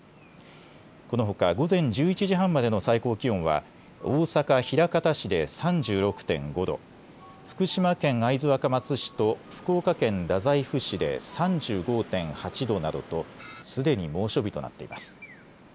このほか午前１１時半までの最高気温は大阪枚方市で３６．５度、福島県会津若松市と福岡県太宰府市で３５．８度などとすでに猛暑日となっています。